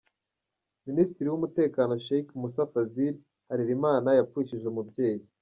Minisitiri w'umutekano Sheikh Musa Fazil Harerimana yapfushije umubyeyi.